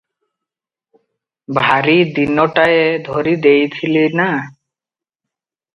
ଭାରି ଦିନଟାଏ ଧରି ଦେଇଥିଲ ନା!